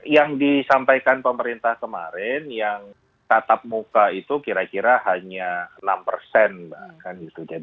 yang disampaikan pemerintah kemarin yang tatap muka itu kira kira hanya enam persen